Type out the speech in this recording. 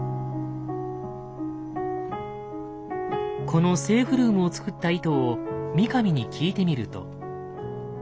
このセーフルームを作った意図を三上に聞いてみると。